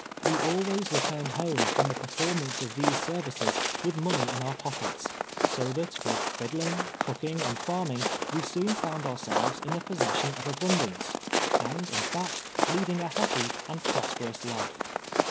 "We always returned home from the performance of these services with money in our pockets ; so that, with fiddling, cooking, and farming, we soon found oui*selves in the possession of abundance, and, in fact, leading a ha})py an<l prosperous life.